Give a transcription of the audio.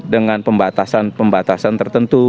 dengan pembatasan pembatasan tertentu